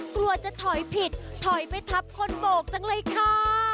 กลัวจะถอยผิดถอยไม่ทับคนโบกจังเลยค่ะ